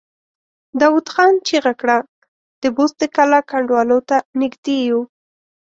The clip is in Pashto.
داوود خان چيغه کړه! د بست د کلا کنډوالو ته نږدې يو!